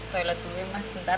pilot dulu ya mas bentar